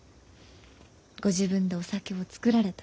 ご自分でお酒を造られた。